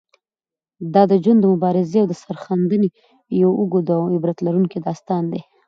د ده ژوند د مبارزې او سرښندنې یو اوږد او عبرت لرونکی داستان دی.